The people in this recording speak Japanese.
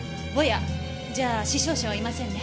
じゃあ死傷者はいませんね。